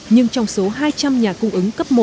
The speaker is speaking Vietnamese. nhưng trong số hai trăm linh nhà cung ứng cấp một